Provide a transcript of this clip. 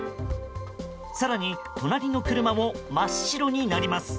更に隣の車も真っ白になります。